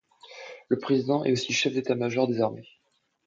Le président est aussi chef d'état-major des armées.